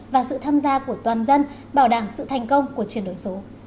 và sự tham gia của toàn dân bảo đảm sự thành công của chuyển đổi số